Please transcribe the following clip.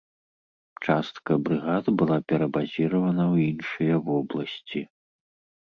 Частка брыгад была перабазіравана ў іншыя вобласці.